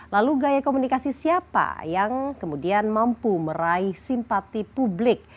lalu gaya komunikasi siapa yang kemudian mampu meraih simpati publik